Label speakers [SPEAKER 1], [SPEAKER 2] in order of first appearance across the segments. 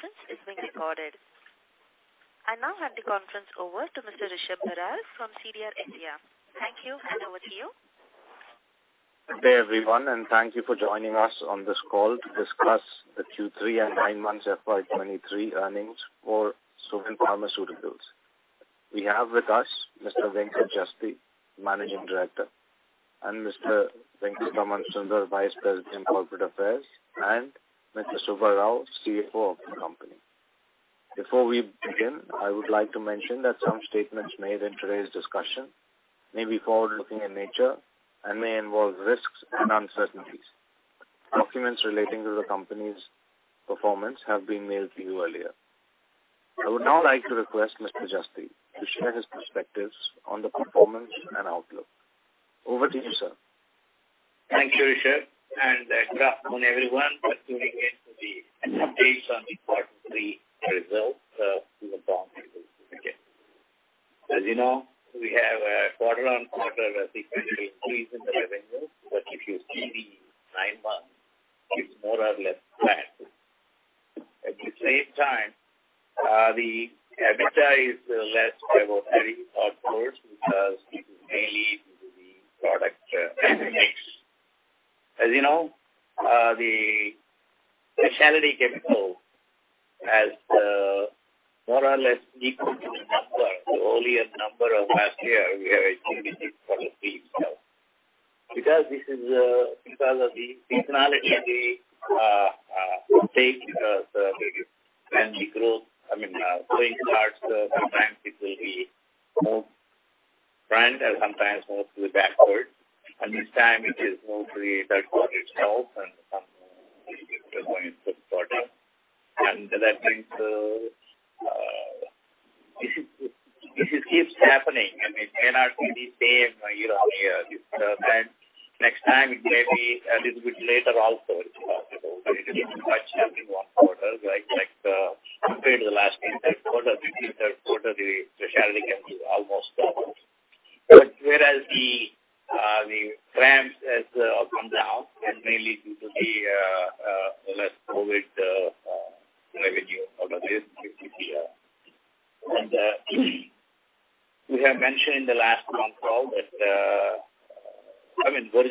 [SPEAKER 1] Please note this conference is being recorded. I now hand the conference over to Mr. Rishabh Barar from CDR India. Thank you and over to you.
[SPEAKER 2] Good day, everyone, thank you for joining us on this call to discuss the Q3 and nine months FY 2023 earnings for Cohance Lifesciences. We have with us Mr. Venkat Jasti, Managing Director, and Mr. Venky Tamansunder, Vice President in Corporate Affairs, and Mr. Subba Rao, CFO of the company. Before we begin, I would like to mention that some statements made in today's discussion may be forward-looking in nature and may involve risks and uncertainties. Documents relating to the company's performance have been mailed to you earlier. I would now like to request Mr. Jasti to share his perspectives on the performance and outlook. Over to you, sir.
[SPEAKER 3] Thank you, Rishabh, and good afternoon, everyone. Thank you again for the update on the quarter three results to the board. As you know, we have a quarter-on-quarter increase in the revenue. If you see the nine months, it's more or less flat. At the same time, the EBITDA is less by about INR 30 odd crores because this is mainly into the product. As you know, the specialty chemical has more or less equal to the number, the earlier number of last years, we are achieving it for the team itself. This is because of the seasonality,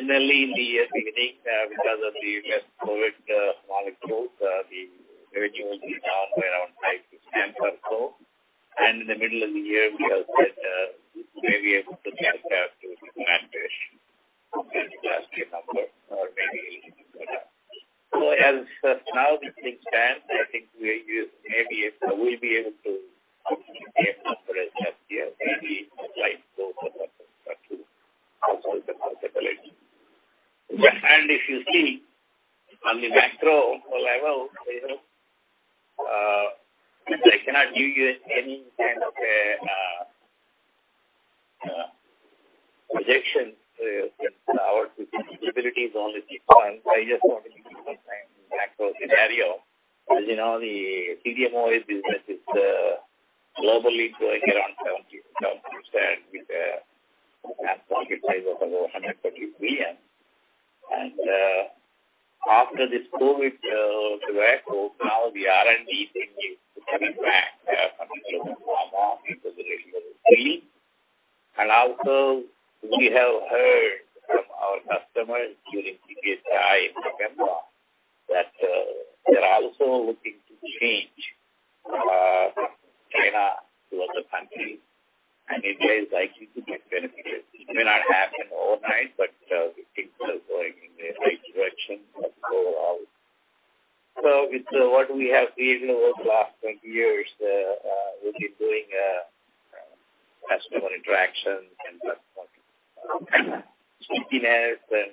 [SPEAKER 3] stage of the growth, I mean, going starts, sometimes it will be more front and sometimes more to the backward. This time it is mostly that for itself and some product. That means these keeps happening and it may not be the same year-over-year. This next time it may be a little bit later also. It is not possible. It is much in one quarter, right? Like, compared to the last quarter, this is the quarter the specialty chemical almost stopped. Whereas the CRAMS has come down and mainly due to the less COVID revenue from this. We have mentioned in the last month call that, I mean, originally in the year beginning, because of the less COVID molecules, the revenue will be down by around 5%-10%. In the middle of the year, we have said, may be able to get back to the CRAMS business. That's the number or maybe even better. As how this thing stands, I think we maybe if we'll be able to get number as last year, maybe like. Also, the possibility. If you see on the macro level, you know, I cannot give you any kind of a projection to our visibility is only this point. I just want to give you some macro scenario. As you know, the CDMO business is globally going around 70% with a market size of over $130 billion. After this COVID wave, now the R&D thing is coming back. They are coming to a more regular stream. Also, we have heard from our customers during previous that they're also looking to change China to other countries. India is likely to get benefited. It may not happen overnight; things are going in the right direction overall. With what we have been over the last 20 years, we'll be doing customer interactions and stickiness and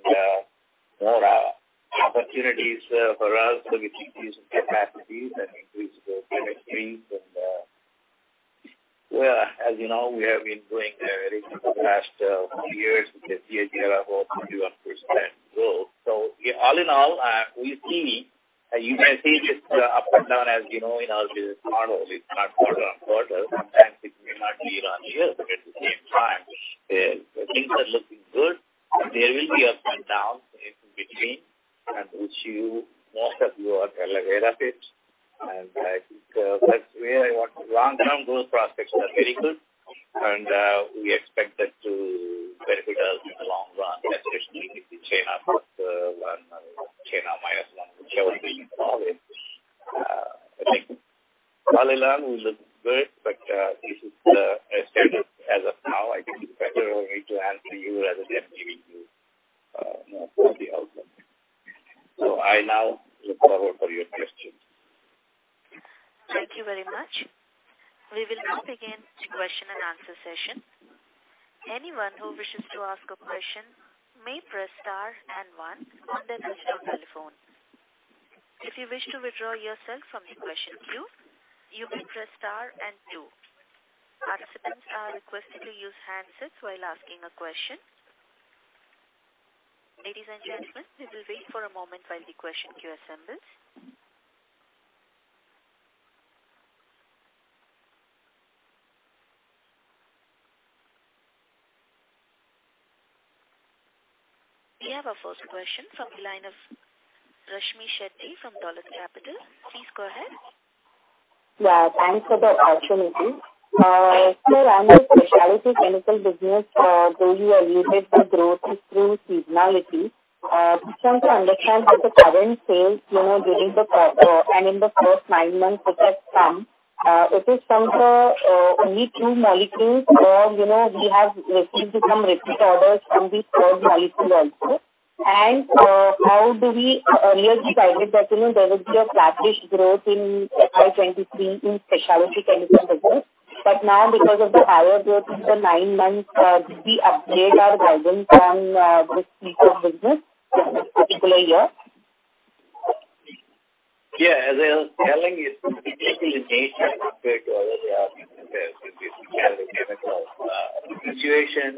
[SPEAKER 3] more opportunities for us to keep using capacities and increase the chemistries and... Well, as you know, we have been doing very good for the past couple years with a year over 21% growth. All in all, we see, you guys see this up and down as you know in our business model, it's not quarter on quarter. Sometimes it may not be year on year, at the same time, things are looking good. There will be ups and downs in between, which you, most of you are well aware of it. I think long-term growth prospects are very good, and we expect that to benefit us in the long run, especially if the China plus one or China minus one story involves. I think will look good. This is as standard as of now, I think it's better for me to answer you rather than giving you more of the outcome. I now look forward for your questions.
[SPEAKER 1] Thank you very much. We will now begin the question-and-answer session. Anyone who wishes to ask a question may press star and one on their telephone. If you wish to withdraw yourself from the question queue, you may press star and two. Participants are requested to use handsets while asking a question. Ladies and gentlemen, we will wait for a moment while the question queue assembles. We have our first question from the line of Rashmi Shetty from Dolat Capital. Please go ahead.
[SPEAKER 4] Yeah, thanks for the opportunity. Sir, on the specialty chemical business, though you alluded the growth is through seasonality, just trying to understand how the current sales, you know, during the and in the first nine months which have come, if it's from the only two molecules or, you know, we have received some repeat orders from the third molecule also? Earlier you guided that, you know, there will be a flattish growth in FY 2023 in specialty chemical business. now because of the higher growth in the nine months, did we update our guidance on this piece of business for this particular year?
[SPEAKER 3] Yeah. As I was telling, it's completely a nature with respect to other year with respect to the chemical. Situation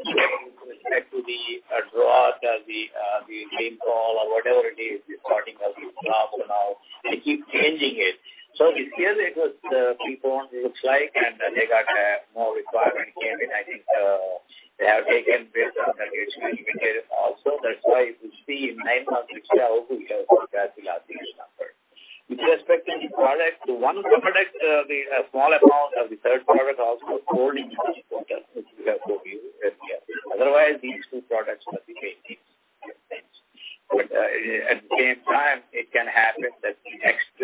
[SPEAKER 3] with respect to the drought or the rainfall or whatever it is, the starting of the monsoon also now, they keep changing it. This year it was pre-poured, it looks like, and they got more requirements came in. I think they have taken this that it's communicated also. That's why you see in nine months itself we have surpassed the last year's number. With respect to the product, one product, we have small amount of the third product also pouring into this quarter, which we have told you earlier. Otherwise, these two products are the main things. At the same time it can happen that the next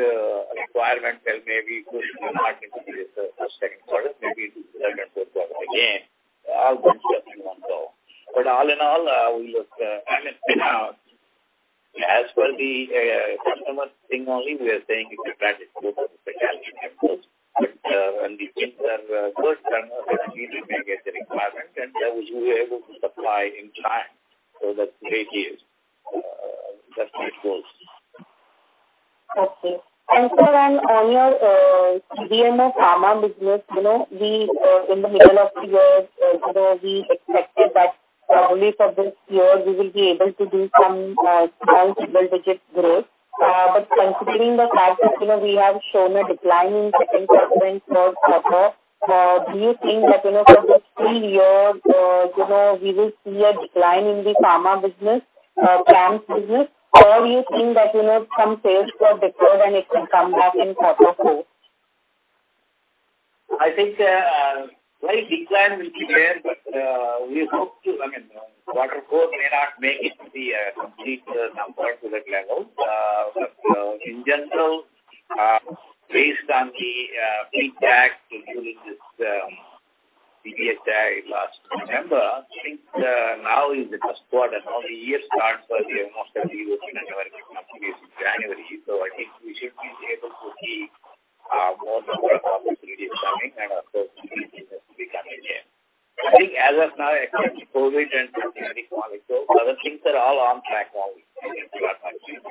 [SPEAKER 3] requirement there may be pushed to not into this first, second quarter. Maybe second, third quarter again. All things are possible. All in all, we look, I mean, you know, as per the customer thing only, we are saying it's a flattish growth on the specialty chemicals. When the things are good, then immediately they get the requirement and we're able to supply in time. That's great news. That's how it goes.
[SPEAKER 4] Okay. Sir, on your CDMO pharma business, you know, we in the middle of the year, you know, we expected that only for this year we will be able to do some strong double-digit growth. Considering the fact that, you know, we have shown a decline in second quarter and third quarter, do you think that, you know, for this full year, you know, we will see a decline in the pharma business, CRAMS business? You think that, you know, some sales got deferred and it will come back in quarter four?
[SPEAKER 3] I think slight decline will be there, but we hope to I mean, quarter four may not make it to the complete comparable to that level. In general, based on the feedback we're doing this previous day, last November, I think now is the first quarter. Now the year starts for most of the OTC and other companies in January. I think we should be able to see more number of opportunities coming and of course new business will be coming here. I think as of now except COVID and generic molecule, other things are all on track now. We are functioning.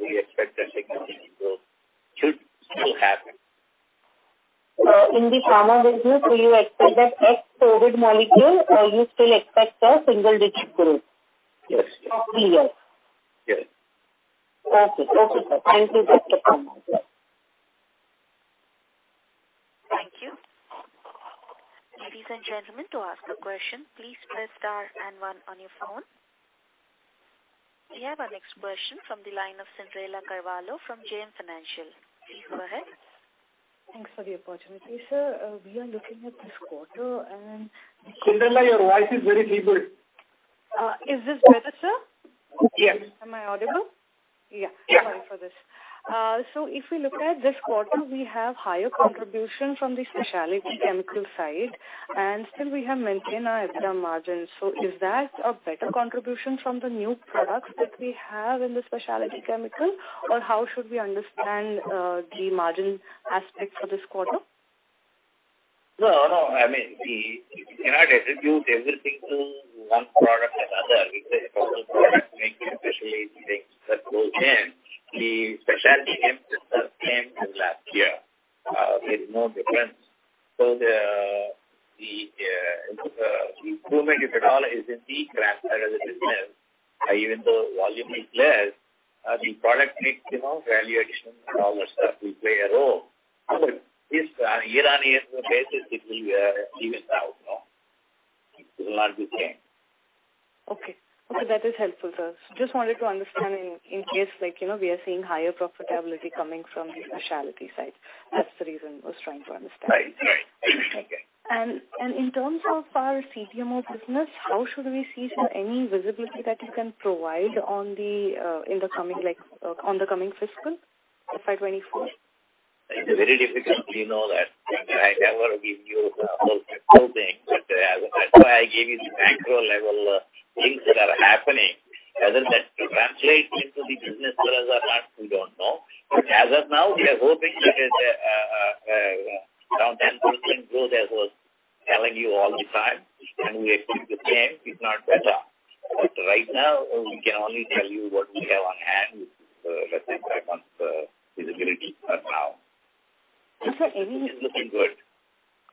[SPEAKER 3] We expect that significant growth should still happen.
[SPEAKER 4] In the pharma business, will you expect that ex-COVID molecule, you still expect a single digit growth?
[SPEAKER 3] Yes.
[SPEAKER 4] Of the year.
[SPEAKER 3] Yes.
[SPEAKER 4] Okay. Okay, Sir. Thank you. That's it from my side.
[SPEAKER 1] Thank you. Ladies and gentlemen, to ask a question, please press star and one on your phone. We have our next question from the line of Cyndrella Carvalho from JM Financial. Please go ahead.
[SPEAKER 5] Thanks for the opportunity. Sir, we are looking at this quarter.
[SPEAKER 3] Cyndrella, your voice is very feeble.
[SPEAKER 5] Is this better, sir?
[SPEAKER 3] Yes.
[SPEAKER 5] Am I audible? Yeah.
[SPEAKER 3] Yeah.
[SPEAKER 5] Sorry for this. If we look at this quarter, we have higher contribution from the specialty chemical side, and still we have maintained our EBITDA margin. Is that a better contribution from the new products that we have in the specialty chemical, or how should we understand the margin aspect for this quarter?
[SPEAKER 3] No, no. I mean, we cannot attribute everything to one product or the other. It's a total product mix, especially things that goes in. The specialty chemical itself came in last year. There is no difference. The improvement if at all is in the craft side of the business. Even though volume is less, the product mix, you know, value addition and all that stuff will play a role. This year-on-year basis it will even out now. It will not be same.
[SPEAKER 5] Okay. Okay, that is helpful, Sir. Just wanted to understand in case like, you know, we are seeing higher profitability coming from the specialty side. That's the reason I was trying to understand.
[SPEAKER 3] Right. Right. Okay.
[SPEAKER 5] In terms of our CDMO business, how should we see, sir, any visibility that you can provide on the coming fiscal, FY 2024?
[SPEAKER 3] It's very difficult. We know that. I never give you a full fiscal thing, but that's why I gave you the macro level things that are happening. Whether that translates into the business orders or not, we don't know. As of now we are hoping it is, you know, around 10% growth as I was telling you all the time, and we expect the same if not better. Right now we can only tell you what we have on hand, let's say five months visibility as of now.
[SPEAKER 5] Sir,
[SPEAKER 3] It's looking good.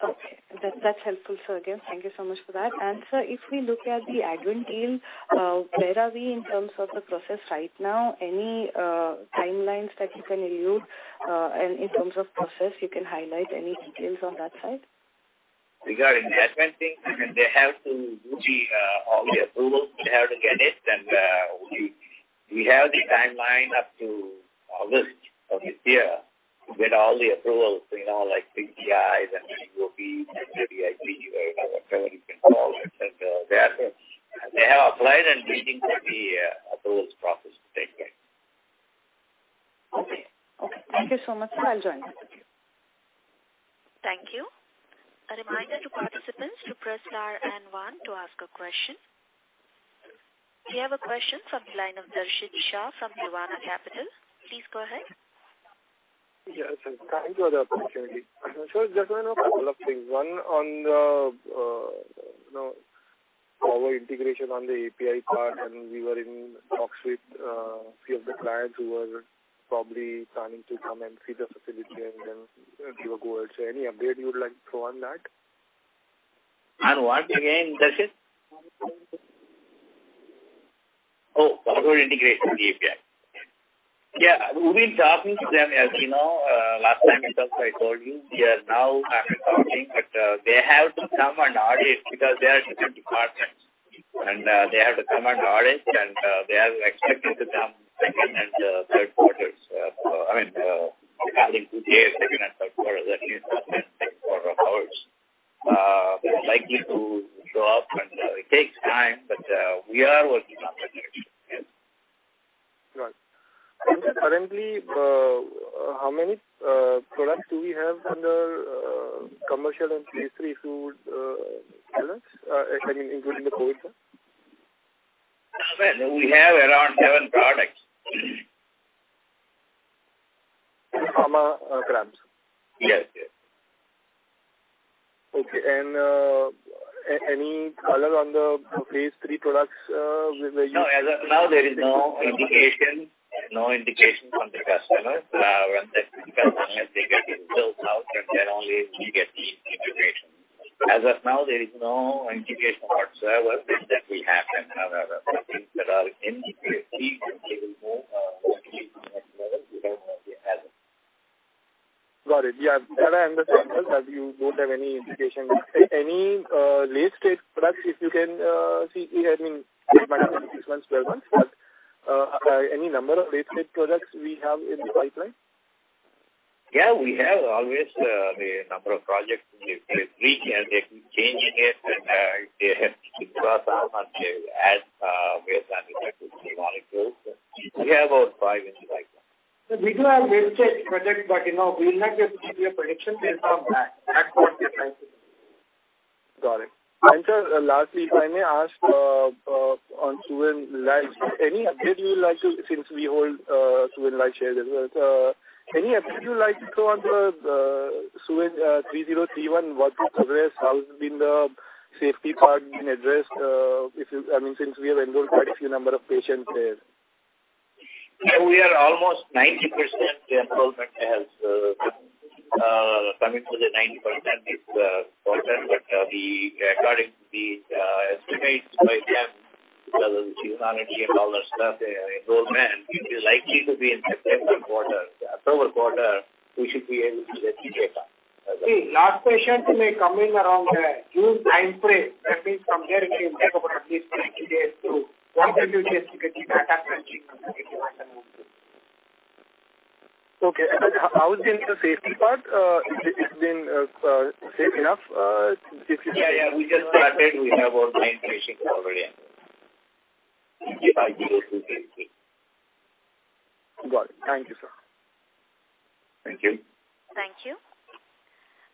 [SPEAKER 5] Okay. That's helpful, Sir. Again, thank you so much for that. Sir, if we look at the Advent deal, where are we in terms of the process right now? Any timelines that you can allude, and in terms of process you can highlight any details on that side?
[SPEAKER 3] Regarding the Advent thing, they have to do the all the approvals. They have to get it and we have the timeline up to August of this year to get all the approvals, you know, like PPIs and and VIP, you know, whatever you can call it. They have applied and waiting for the approvals process to take place.
[SPEAKER 5] Okay. Okay. Thank you so much. I'll join.
[SPEAKER 1] Thank you. A reminder to participants to press star one to ask a question. We have a question from the line of Darshit Shah from Nirvana Capital. Please go ahead.
[SPEAKER 6] Yes, Sir. Thank you for the opportunity. Just want to know a couple of things. One on the, you know, our integration on the API part, we were in talks with, few of the clients who are probably planning to come and see the facility and then give a go. Any update you would like to throw on that?
[SPEAKER 3] On what again, Darshit?
[SPEAKER 6] Oh, our integration API.
[SPEAKER 3] Yeah, we've been talking to them. As you know, last time itself I told you we are now accounting, but they have to come and audit because they are different departments. They have to come and audit, and they are expecting to come second and third quarters. I mean, calendar two years, second and third quarter, that means second and third quarter of ours. Likely to show up, and it takes time, but we are working on it. Yes.
[SPEAKER 6] Right. Currently, how many products do we have under commercial and phase III, balance, I mean, including the COVID, Sir?
[SPEAKER 3] Well, we have around seven products.
[SPEAKER 6] Pharma, CRAMS.
[SPEAKER 3] Yes. Yes.
[SPEAKER 6] Okay. Any color on the phase III products, we were using.
[SPEAKER 3] No. As of now there is no indication, no indication from the customers. Once the customers, they get themselves out, then only we get the integration. As of now, there is no integration whatsoever that we have, things that are in the three, we will know next level. We don't know if we have it.
[SPEAKER 6] Got it. Yeah. That I understand, because you both have any indication. Any late-stage products if you can see, I mean, it might happen in six months, 12 months, but any number of late-stage products we have in the pipeline?
[SPEAKER 3] Yeah, we have always, the number of projects in the late stage, and they keep changing it. They have to keep crossing on to add, based on the type of molecules. We have about five in the pipeline.
[SPEAKER 7] We do have late-stage projects, but, you know, we'll have to give you a prediction based on that, at what they're trying to do.
[SPEAKER 6] Got it. Lastly, if I may ask on Suven Life, any update you would like to, since we hold Suven Life shares as well, any update you'd like to throw on the SUVN-G3031, what's the progress? How's been the safety part been addressed? If it's, I mean, since we have enrolled quite a few number of patients there.
[SPEAKER 3] We are almost 90%. The enrollment has coming to the 90%. According to the estimates by them, because of the $200 million stuff they are enrolled in, it is likely to be in September quarter. October quarter, we should be able to get data.
[SPEAKER 7] See, last patients may come in around June timeframe. That means from there it will take about at least 30 days to one to two days to get data and then keep on submitting and then move to.
[SPEAKER 6] Okay. How is in the safety part? It's been safe enough.
[SPEAKER 3] Yeah. We just started. We have our nine patients already enrolled.
[SPEAKER 7] Yeah, I can also say the same.
[SPEAKER 6] Got it. Thank you, sir.
[SPEAKER 3] Thank you.
[SPEAKER 1] Thank you.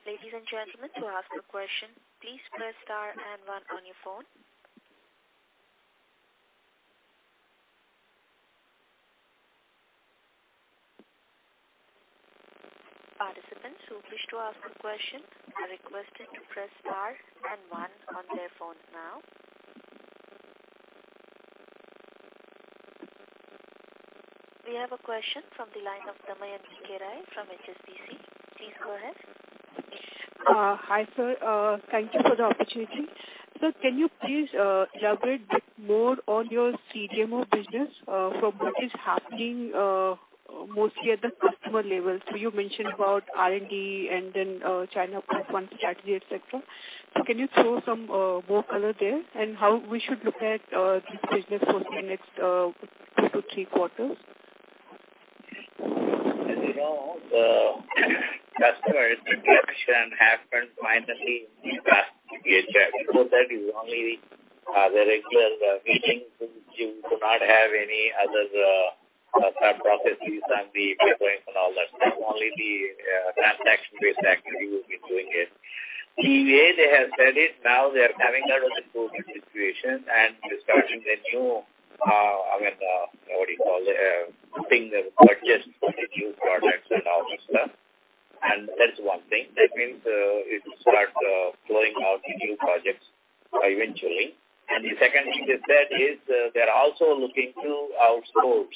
[SPEAKER 1] Ladies and gentlemen, to ask a question, please press star and one on your phone. Participants who wish to ask a question are requested to press star and one on their phone now. We have a question from the line of Damayanti Kerai from HSBC. Please go ahead.
[SPEAKER 8] Hi, Sir. Thank you for the opportunity. Sir, can you please elaborate bit more on your CDMO business from what is happening mostly at the customer level? You mentioned about R&D and then China plus one strategy, et cetera. Can you throw some more color there, and how we should look at this business for the next 2-3 quarters?
[SPEAKER 3] As you know, the customer interaction happened finally in the past year. Before that it was only the regular meetings in which you do not have any other sub-processes and the paperwork and all that stuff. Only the transaction-based activity we've been doing here. The way they have said it, now they are coming out of the COVID situation and they're starting the new, I mean, what do you call it? thing, purchase for the new products and all this stuff. That's one thing. That means it will start flowing out the new projects eventually. The second thing they said is they're also looking to outsource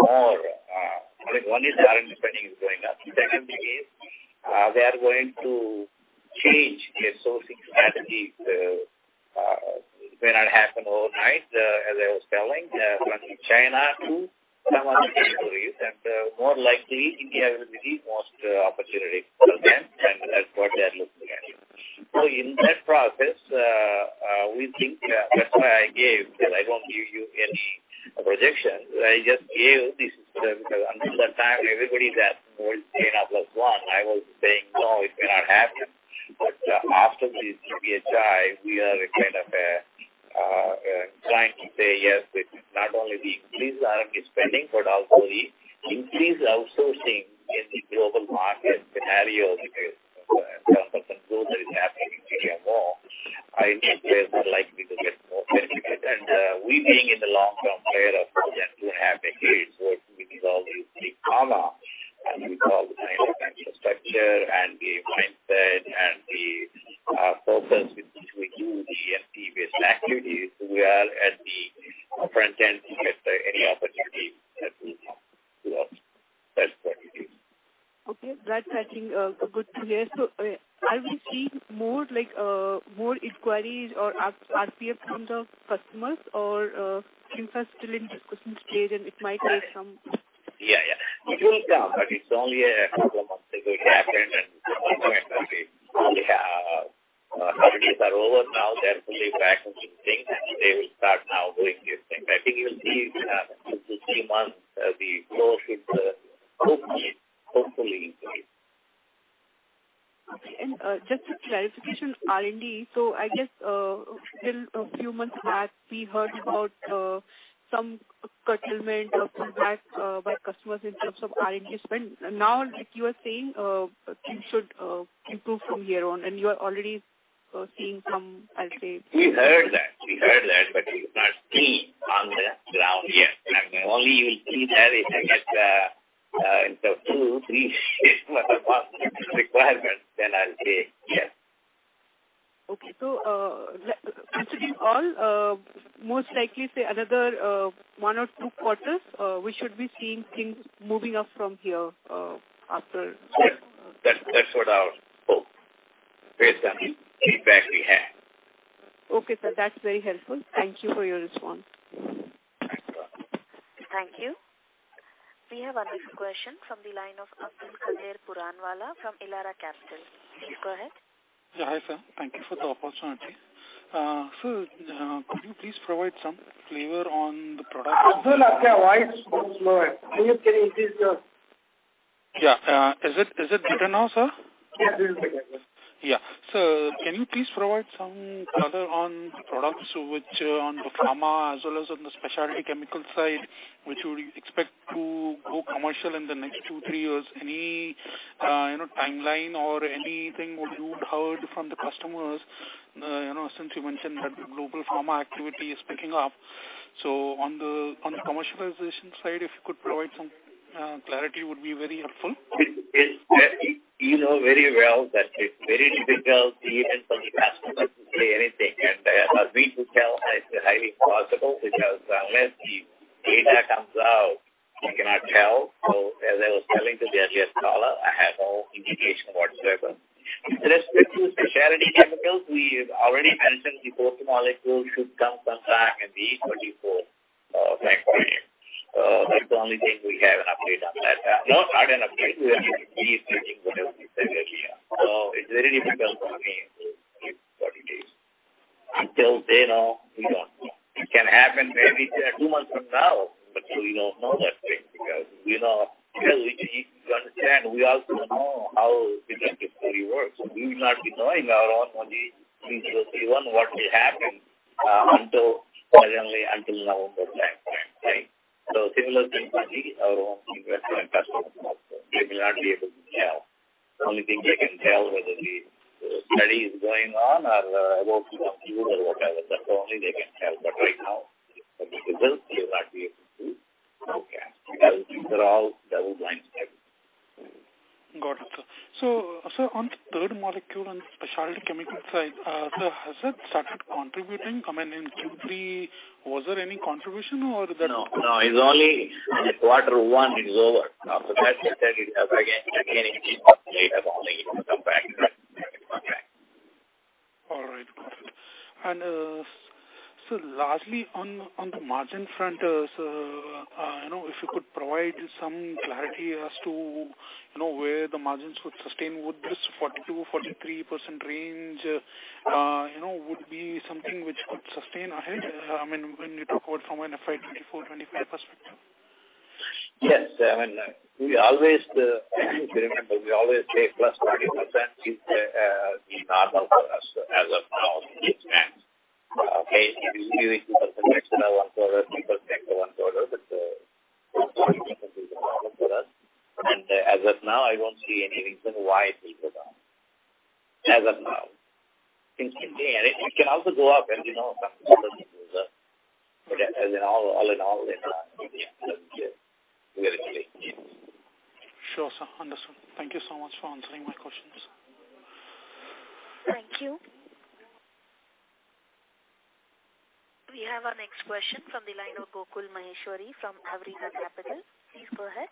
[SPEAKER 3] more. I think one is R&D spending is going up. The second thing is, they are going to change their sourcing strategies, may not happen overnight, as I was telling, from China to some other territories. More likely India will be the most opportunity for them, and that's what they're looking at. In that process, we think, that's why I gave, because I won't give you any projections. I just gave this, until that time everybody is at more China plus one. I was saying, no, it may not happen. After this CPhI, we are kind of trying to say yes, with not only the increased R&D spending, but also the increased outsourcing in the global market scenario because of some of the growth that is happening in India more, I think they're likely to get more benefit. We being in the long-term player of them who have a huge work with all the big pharma, and with all the kind of infrastructure and the mindset and the focus with which we do the FP-based activities, we are at the front end to get any opportunity that we have. That's what it is.
[SPEAKER 8] Okay. That's, I think, good to hear. Are we seeing more like, more inquiries or as RFP from the customers or, things are still in discussion stage?
[SPEAKER 3] Yeah, yeah. It will come, but it's only a couple of months it will happen. At some point in time we have. Holidays are over now. They're fully back in swing, and they will start now doing these things. I think you'll see, 2-3 months, the flow should hopefully increase.
[SPEAKER 8] Okay. Just a clarification. R&D, I guess, till a few months back, we heard about some curtailment or some back by customers in terms of R&D spend. Now, like you are saying, things should improve from here on, and you are already seeing some, I'll say...
[SPEAKER 3] We heard that. We've not seen on the ground yet. Only you'll see that if I get into two, three or more requirements, then I'll say yes.
[SPEAKER 8] Okay. Considering all, most likely say another, one or two quarters, we should be seeing things moving up from here, after this.
[SPEAKER 3] Yes. That's what our hope based on the feedback we have.
[SPEAKER 8] Okay, sir. That's very helpful. Thank you for your response.
[SPEAKER 3] Thanks.
[SPEAKER 1] Thank you. We have our next question from the line of Abdulkader Puranwala from Elara Capital. Please go ahead.
[SPEAKER 9] Yeah, hi, Sir. Thank you for the opportunity. sir, could you please provide some flavor on the?
[SPEAKER 3] Abdul, your voice is very low. Can you please increase the...
[SPEAKER 9] Yeah. Is it better now, sir?
[SPEAKER 3] Yeah, little better.
[SPEAKER 9] Yeah. Sir, can you please provide some color on products which are on the pharma as well as on the specialty chemical side, which you expect to go commercial in the next two, three years? Any, you know, timeline or anything what you heard from the customers? You know, since you mentioned that the global pharma activity is picking up. On the, on the commercialization side, if you could provide some clarity would be very helpful.
[SPEAKER 3] It's, you know very well that it's very difficult even for the customers to say anything. For me to tell is highly impossible because unless the data comes out, you cannot tell. As I was telling to the earlier caller, I have no indication whatsoever. With respect to specialty chemicals, we've already mentioned the fourth molecule should come sometime in the 2024-time frame. That's the only thing we have an update on that. Not an update. We are restating whatever we said earlier. It's very difficult for me to predict what it is. Until they know, we don't know. It can happen maybe two months from now, but we don't know that thing because we know... Still, if you understand, we also know how regenerative therapy works. We will not be knowing our own only 3031 what will happen, until, probably until November time frame. Right? Similar thing for the, our own investment customers. We will not be able to tell. The only thing they can tell whether the study is going on or, about to conclude or whatever. That's the only they can tell. Right now for people to say that we are able to forecast because these are all double-blind studies.
[SPEAKER 9] Got it, Sir. On the third molecule on specialty chemical side, Sir, has it started contributing? I mean, in Q3, was there any contribution?
[SPEAKER 3] No, no. It's only in the quarter one it is over. After that, I tell you again it is not late at all, you know, to come back. It will come back.
[SPEAKER 9] All right. Got it. Largely on the margin front, Sir, you know, if you could provide some clarity as to, you know, where the margins would sustain. Would this 42%-43% range, you know, would be something which could sustain ahead? I mean, when you talk about from an FY 2024, FY 2025 perspective.
[SPEAKER 3] Yes. I mean, we always, if you remember, we always say plus 40% is normal for us as of now in the expense. Okay. It is usually 2% extra one quarter, 3% for one quarter, but, plus 40% is normal for us. As of now, I won't see any reason why it will go down. As of now. It can stay, and it can also go up as you know as in all in all.
[SPEAKER 9] Sure, Sir. Understood. Thank you so much for answering my questions.
[SPEAKER 1] Thank you. We have our next question from the line of Gokul Maheshwari from Awriga Capital. Please go ahead.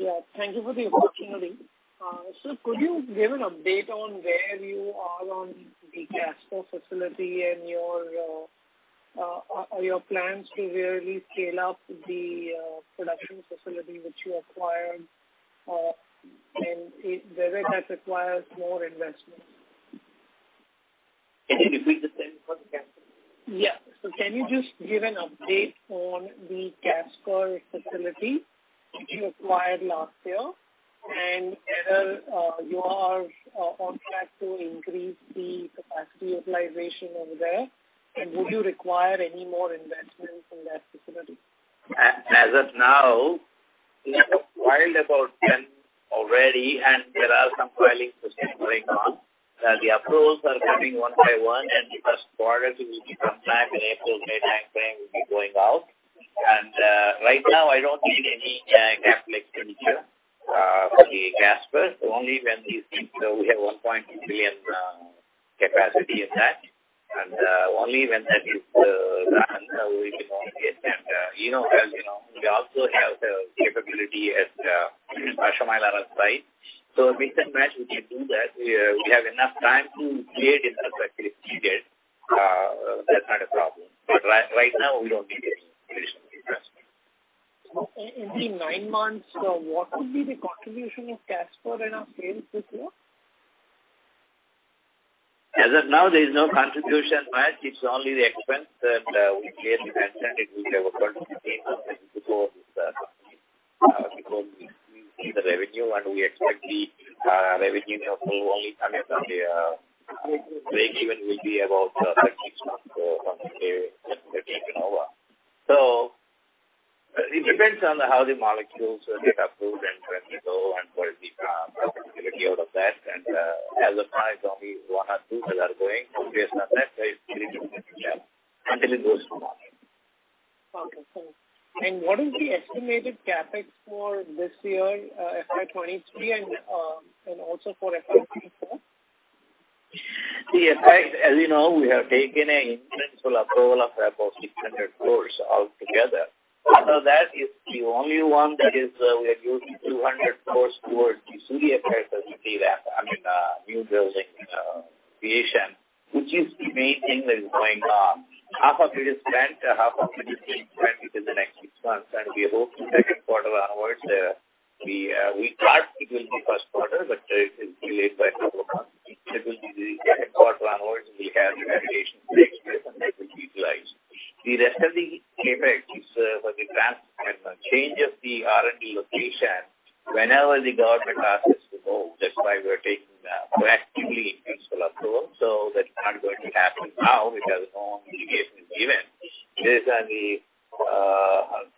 [SPEAKER 10] Yeah. Thank you for the opportunity. Sir, could you give an update on where you are on the facility and your plans to really scale up the production facility which you acquired, and if whether that requires more investments?
[SPEAKER 3] Can you repeat the same for the?
[SPEAKER 10] Yeah. Can you just give an update on the facility which you acquired last year, and whether, you are on track to increase the capacity utilization over there? Would you require any more investments in that facility?
[SPEAKER 3] As of now, we have filed about 10 already, and there are some filings which are going on. The approvals are coming one by one, and the first quarter will be from March and April, May timeframe will be going out. Right now I don't need any CapEx expenditure for the. Only when these things... So we have 1 point billion capacity in that. Only when that is run, we can only get that. You know as you know, we also have the capability at Pashamylaram our site. Mix and match, we can do that. We have enough time to create infrastructure if needed. That's not a problem. Right now we don't need any additional investment.
[SPEAKER 10] In the nine months, what will be the contribution of in our sales this year?
[SPEAKER 3] As of now, there is no contribution match. It's only the expense that we pay to match and it will have a 0.15 something before the before we see the revenue. We expect the revenue to flow only. Breakeven will be about six months from the day that we've taken over. It depends on how the molecules get approved and when we go and what the productivity out of that. As of now it's only one or two that are going. Based on that, it's difficult to tell until it goes to market.
[SPEAKER 10] Okay. What is the estimated CapEx for this year, FY 2023 and also for FY 2024?
[SPEAKER 3] The CapEx, as you know, we have taken a in-principle approval of about 600 crore altogether. That is the only one that is, we are using 200 crore towards the, I mean, new building creation, which is the main thing that is going on. Half of it is spent, half of it is being spent within the next six months. We hope the second quarter onwards, we thought it will be first quarter, but it is delayed by a couple of months. It will be the second quarter onwards, we'll have the validation next year. That will be utilized. The rest of the CapEx is for the and the change of the R&D location. Whenever the government asks us to move, that's why we are taking proactively in-principle approval. That's not going to happen now because no indication is given. These are the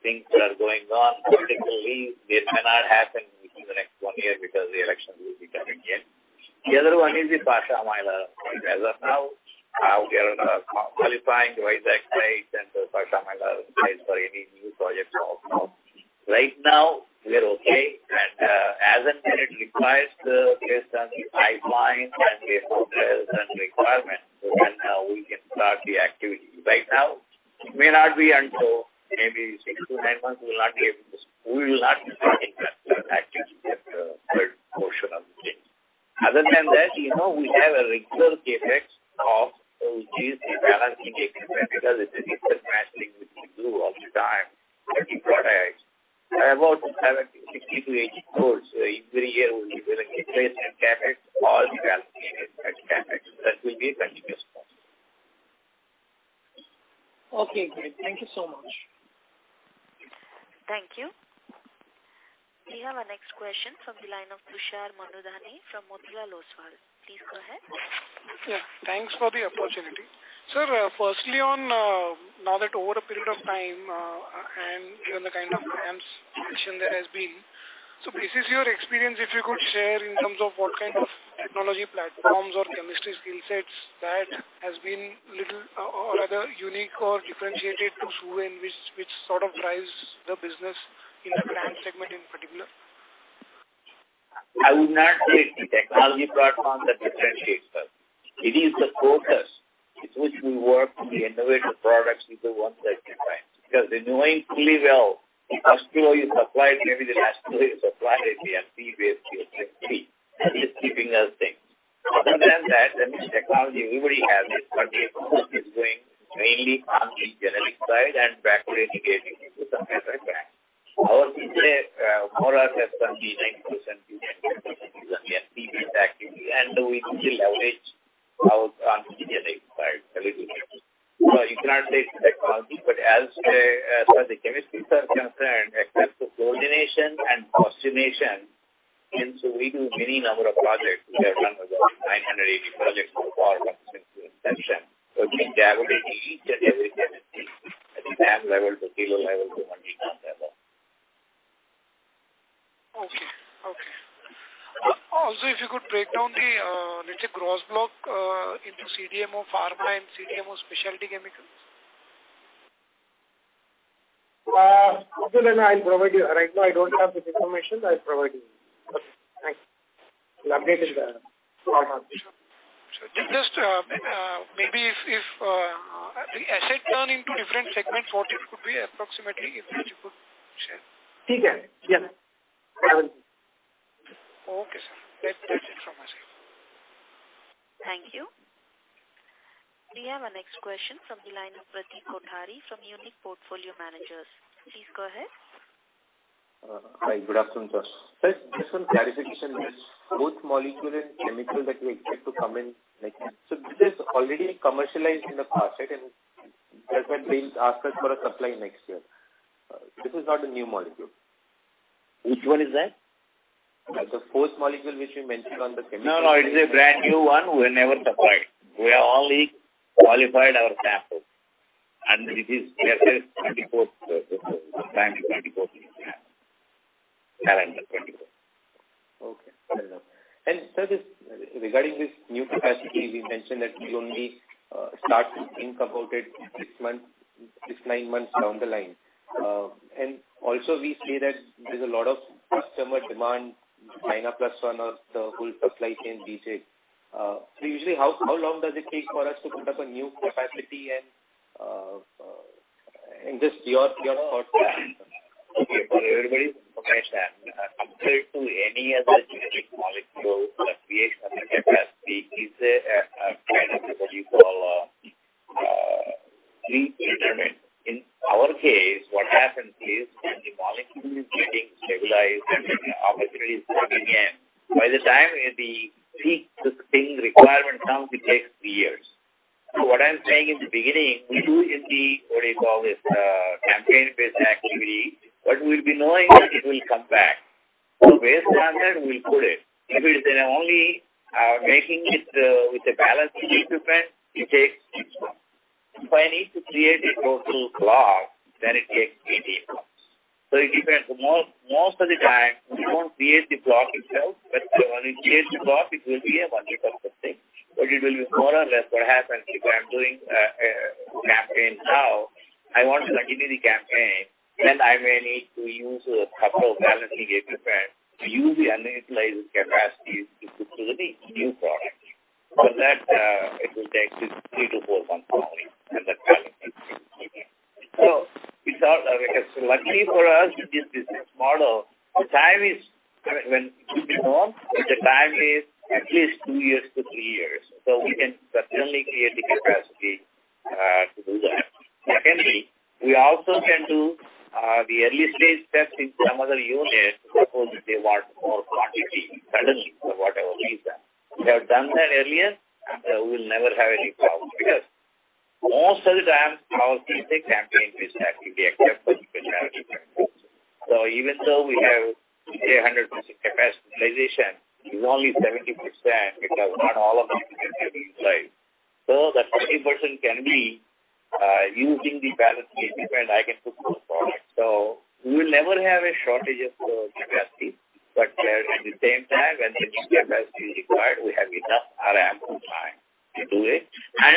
[SPEAKER 3] things that are going on. Politically, it cannot happen within the next one year because the election will be coming here. The other one is the Pashamylaram. As of now, we are qualifying both the X-ray center, Pashamylaram site for any new projects also. Right now we are okay. As and when it requires the based on the pipeline and based on the requirement, we can start the activity. Right now, it may not be until maybe 6-9 months, we will not be starting that activity at the third portion of the thing. Other than that, you know, we have a regular CapEx of which is the balancing CapEx because it's a different matching which we do all the time for different products. About INR 70 crore, INR 60 crore-INR 80 crore every year will be there in CapEx, all the balancing in that CapEx. That will be a continuous cost.
[SPEAKER 10] Okay, great. Thank you so much.
[SPEAKER 1] Thank you. We have our next question from the line of Tushar Manudhane from Motilal Oswal. Please go ahead.
[SPEAKER 11] Yeah, thanks for the opportunity. Sir, firstly on, now that over a period of time, given the kind of ramps action that has been, this is your experience, if you could share in terms of what kind of technology platforms or chemistry skill sets that has been little or rather unique or differentiated to Suven Pharmaceuticals which sort of drives the business in the brand segment in particular?
[SPEAKER 3] I would not say it's the technology platform that differentiates us. It is the focus with which we work in the innovative products is the one that defines. They knowing fully well, the first flow is supplied, maybe the last flow is supplied, it may be FP-based or FP. That is keeping us safe. Other than that, I mean, technology everybody has it, but the focus is going mainly on the generic side and gradually integrating into some other brands. Our people, more or less than the 90% people are using the FP-based activity, and we fully leverage our CDMO side a little bit. You cannot say it's the technology, but as the chemistry is concerned, except for coordination and fluorination, and so we do many number of projects. We have done about 980 projects so far which means the ability each and every chemistry at the gram level to kilo level to multi-ton level.
[SPEAKER 11] Okay. Okay. Also, if you could break down the, let's say, gross block, into CDMO pharma and CDMO specialty chemicals?
[SPEAKER 3] Okay I'll provide you. Right now I don't have the information. I'll provide you. Updated, so on.
[SPEAKER 11] Just, maybe if, the asset turn into different segment, 40 could be approximately if you could share?
[SPEAKER 3] Okay. Yeah. Seven.
[SPEAKER 11] Okay, sir. That's it from my side.
[SPEAKER 1] Thank you. We have our next question from the line of Pradeep Kothari from Unique Portfolio Managers. Please go ahead.
[SPEAKER 12] Hi, good afternoon, Sir. Just one clarification, please. Both molecule and chemical that we expect to come in next. This is already commercialized in the past, right? That's why they asked us for a supply next year. This is not a new molecule.
[SPEAKER 3] Which one is that?
[SPEAKER 12] The fourth molecule which you mentioned on the.
[SPEAKER 3] No, no, it's a brand new one we never supplied. We have only qualified our sample, and it is, let's say, 2024, sometime in 2024. Calendar 2024.
[SPEAKER 12] Okay. Fair enough. Sir, this, regarding this new capacity, we mentioned that we only start to think about it six, nine months down the line. Also we see that there's a lot of customer demand, China plus one or the whole supply chain detail. Usually how long does it take for us to put up a new capacity and in just your short term?
[SPEAKER 3] Okay. For everybody's information, compared to any other generic molecule, utilized. That 30% can be, using the balancing equipment I can put more product. We will never have a shortage of capacity. At the same time, when the new capacity is required, we have enough or ample time to do it.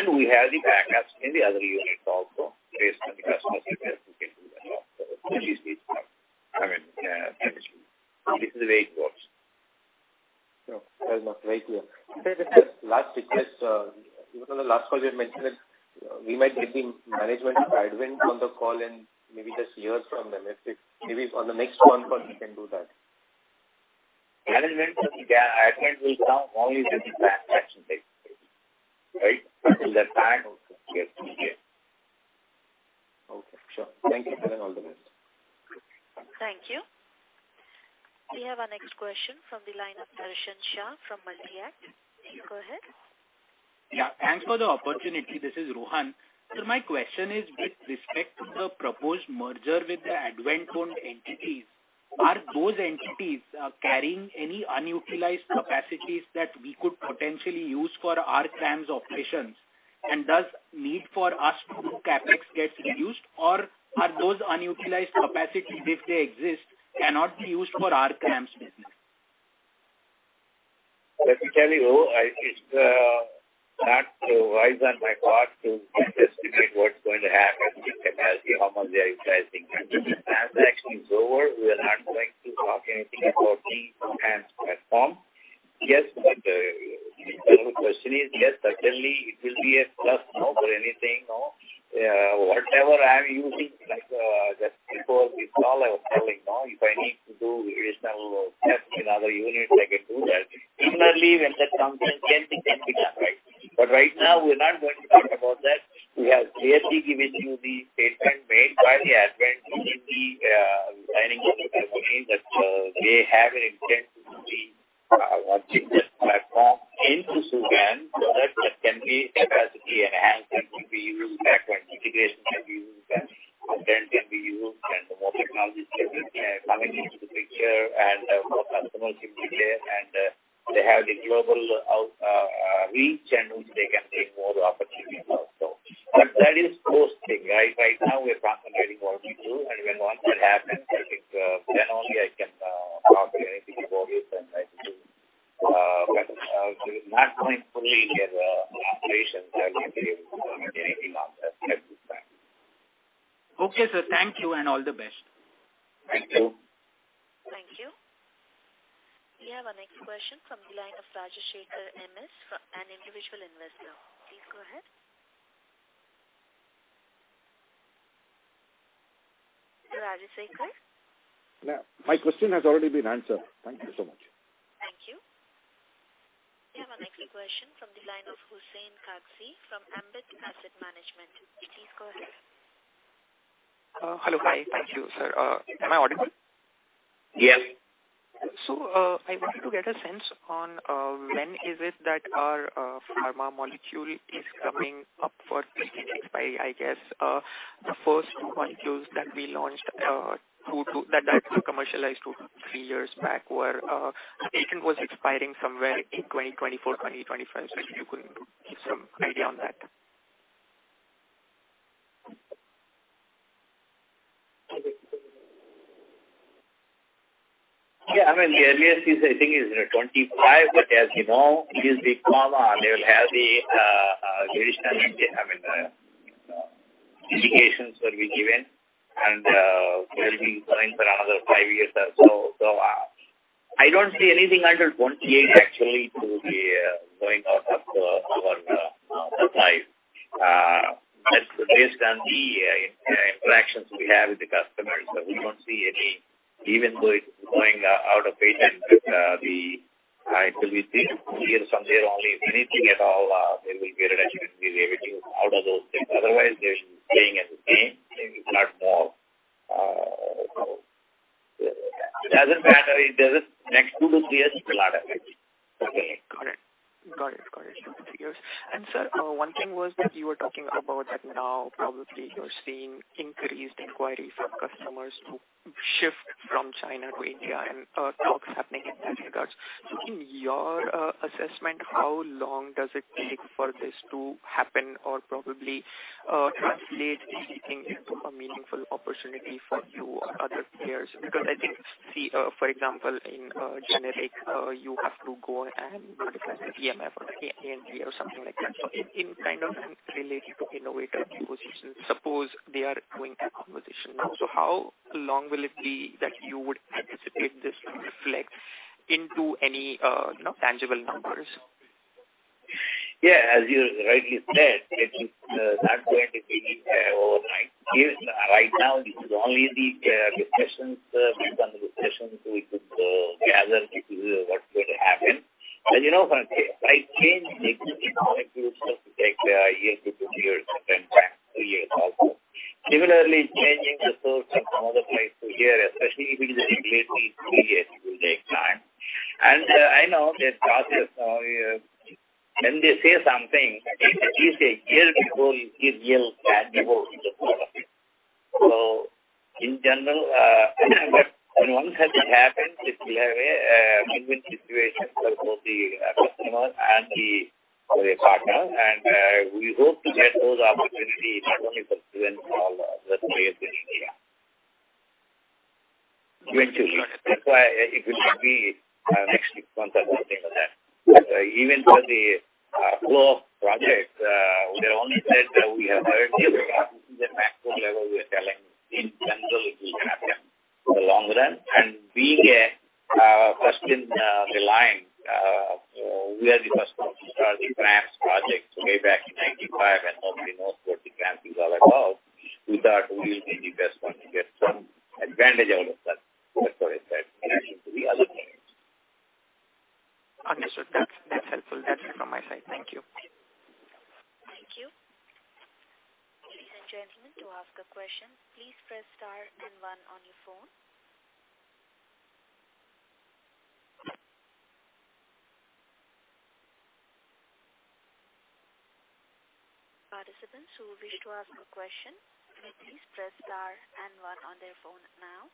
[SPEAKER 3] We have the backups in the other unit also based on the customer's request, we can do that also, which is the, I mean, actually, this is the way it works.
[SPEAKER 12] No, fair enough. Very clear. Sir, just last request, even on the last call we had mentioned that we might get the management Advent on the call and maybe just hear from them. Let's say maybe on the next one call we can do that.
[SPEAKER 3] Management, yeah, Advent will come only with the transaction take place. Right? Until that time also we have to be here.
[SPEAKER 12] Okay. Sure. Thank you, Sir, and all the best.
[SPEAKER 1] Thank you. We have our next question from the line of Darshan Shah from. Please go ahead.
[SPEAKER 13] Yeah. Thanks for the opportunity. This is Rohan. My question is with respect to the proposed merger with the Advent-owned entities, are those entities carrying any unutilized capacities that we could potentially use for our CRAMS operations? Does need for us to do CapEx gets reduced or are those unutilized capacity, if they exist, cannot be used for our CRAMS business?
[SPEAKER 3] Let me tell you, it's not wise on my part to anticipate what's going to happen. You can ask me how much they are utilizing. Transaction is over, we are not going to talk anything about the CRAMS platform. If your question is, yes, certainly it will be a plus, you know, for anything, you know. Whatever I am using, like, just before this call I was telling, you know, if I need to do additional tests in other units, I can do that. Similarly, when that comes in, same thing can be done, right. Right now we're not going to talk about that. We have clearly given you the statement made by the Advent entity, signing into the company that, they have an intent to see, launching this platform into so that there can be
[SPEAKER 14] that were commercialized two, three years back, were patent was expiring somewhere in 2024, 2025. If you could give some idea on that.
[SPEAKER 3] I mean, the earliest is I think is, you know, 2025. As you know, it is the pharma, they'll have the traditional, I mean, indications will be given, and we'll be going for another five years or so. I don't see anything under 2028 actually to be going out of the, our, supply. That's based on the interactions we have with the customers. We don't see any, even though it's going out of patent, the until we see it from there only, if anything at all, there will be a reduction. We'll be editing out of those things. Otherwise, they're staying as it is, maybe not more. It doesn't matter. It doesn't, next two to three years, it will not affect.
[SPEAKER 14] Okay. Got it. Got it. Got it. two, three years. Sir, one thing was that you were talking about that now probably you're seeing increased inquiry from customers to shift from China to India and talks happening in that regards. In your assessment, how long does it take for this to happen or probably translate anything into a meaningful opportunity for you or other peers? Because I think, see, for example, in generic, you have to go and re-file the DMF or the ANDA or something like that. In, in kind of related to innovator positions, suppose they are going through a conversation now. How long will it be that you would anticipate this to reflect into any, you know, tangible numbers?
[SPEAKER 3] Yeah. As you rightly said, it is not going to be overnight. Here, right now it is only the discussions, based on the discussions we could gather what's going to happen. As you know, when I change existing molecules, it will take one year to two years to come back, three years also. Similarly, changing the source from another place to here, especially if it is a regulated three years, it will take time. I know that process when they say something, it is one year before you give real tangible. In general, but when once that happens, it will have a win-win situation for both the customer and the partner. We hope to get those opportunities not only for Suven but all the players in India. Eventually. That's why it will not be next six months or something like that. Even for the flow of projects, we have only said that we have heard it. This is the maximum level we are telling. In general, it will happen for the long run. Being a first in the line, we are the first one to start the CRAMS projects way back in 95 when nobody knows what the CRAMS is all about. We thought we will be the best one to get some advantage out of that. That's what I said, in addition to the other things.
[SPEAKER 14] Understood. That's helpful. That's it from my side. Thank you.
[SPEAKER 1] Thank you. Ladies and gentlemen, to ask a question, please press star and one on your phone. Participants who wish to ask a question, may please press star and one on their phone now.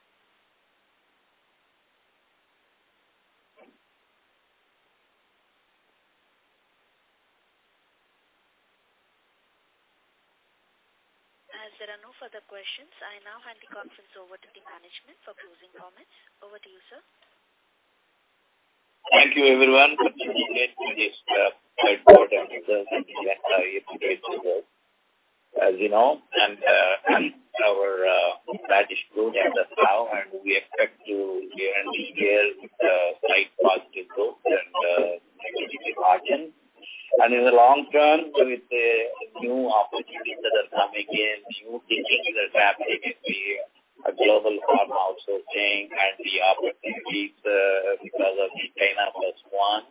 [SPEAKER 1] As there are no further questions, I now hand the conference over to the management for closing comments. Over to you, sir.
[SPEAKER 3] Thank you everyone for participating in this, third quarter results and the year-to-date results. As you know, and our, profits grew as of now, and we expect to end the year with a slight positive growth and, technically margin. In the long term, with the new opportunities that are coming in, new businesses that are taking it to be a global pharma outsourcing and the opportunities, because of the China plus one,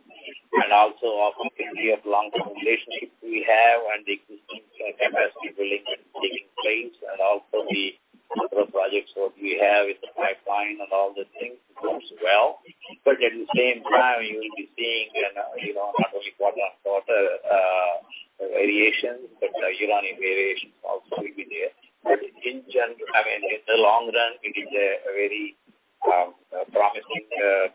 [SPEAKER 3] and also opportunity of long-term relationships we have and the existing, capacity building taking place and also the other projects what we have in the pipeline and all the things goes well. At the same time, you will be seeing, you know, not only quarter-on-quarter, variation, but, year-on-year variation also will be there. I mean, in the long run, it is a very promising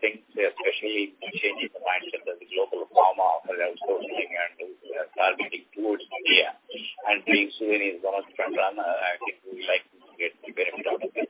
[SPEAKER 3] things, especially changing the mindset of the global pharma outsourcing and targeting towards India. Suven is one of the frontrunner, and we would like to get the benefit out of it.